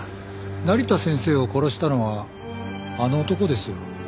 成田先生を殺したのはあの男ですよ。